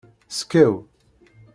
Skew.